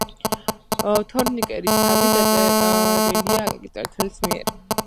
თორნიკე ერისთავი დაწერილია აკაკი წერეთლის მიერ